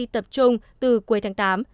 tập trung từ cuối tháng tám